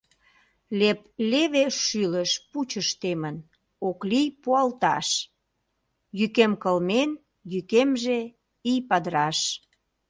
Леп-леве шӱлыш пучыш темын — ок лий пуалташ: йӱкем кылмен, йӱкемже — ий падыраш.